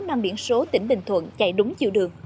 mang biển số tỉnh bình thuận chạy đúng chiều đường